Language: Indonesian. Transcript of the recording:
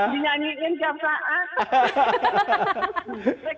dinyanyiin tiap saat